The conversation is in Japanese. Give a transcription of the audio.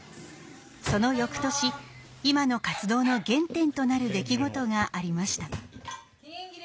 その翌年今の活動の原点となる出来事がありました。